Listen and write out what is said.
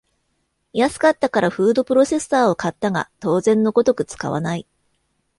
安かったからフードプロセッサーを買ったが当然のごとく使わない